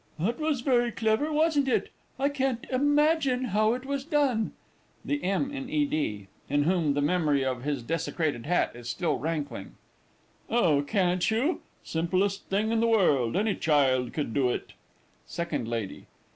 That was very clever, wasn't it? I can't imagine how it was done! THE M. IN E. D. (in whom the memory of his desecrated hat is still rankling). Oh, can't you? Simplest thing in the world any child could do it! SECOND LADY.